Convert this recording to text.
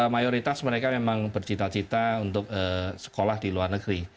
mayoritas mereka memang bercita cita untuk sekolah di luar negeri